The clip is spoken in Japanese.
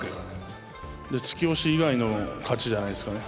突き押し以外の勝ちじゃないですかね。